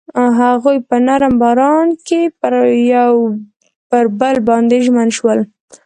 هغوی په نرم باران کې پر بل باندې ژمن شول.